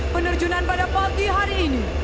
penerjunan pada pagi hari ini